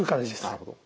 なるほど。